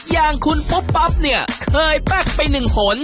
อย่างคุณปุ๊บปั๊บเนี่ยเคยแป๊กไปหนึ่งหน